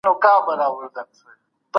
پکار ده چي د هري ناوړي خبري څخه ډډه وسي.